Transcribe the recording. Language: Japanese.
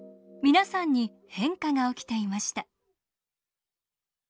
皆さんに変化が起きていました。